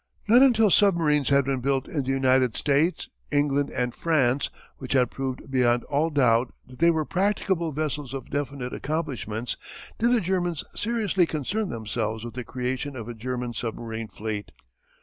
Not until submarines had been built in the United States, England, and France which had proved beyond all doubt that they were practicable vessels of definite accomplishments, did the Germans seriously concern themselves with the creation of a German submarine fleet.